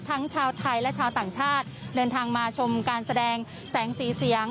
ทั้งชาวไทยและชาวต่างชาติเดินทางมาชมการแสดงแสงสีเสียง